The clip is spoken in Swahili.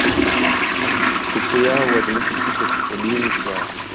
Sikukuu yao huadhimishwa siku ya kifodini chao.